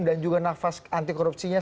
dan juga nafas anti korupsinya